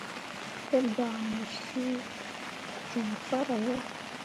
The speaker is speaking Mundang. Te bah mu suu cõo farah hii.